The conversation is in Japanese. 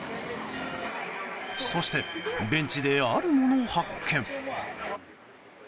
そしてベンチで、あるものを発見。